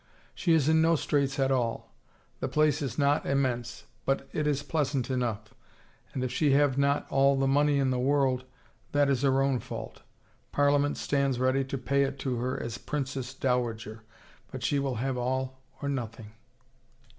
She is in no straits at all. The place is not immense, but it is pleasant enough, 283 THE FAVOR OF KINGS and if she have not all the money in the world, that is her own fault — Parliament stands ready to pay it to her as Princess Dowager. But she will have all or noth ing.